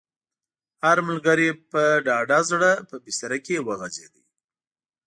هر ملګری په ډاډه زړه په بستره کې وغځېد.